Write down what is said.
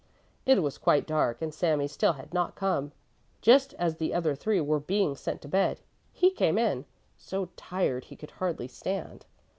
It was quite dark, and Sami still had not come. Just as the other three were being sent to bed, he came in, so tired he could hardly stand.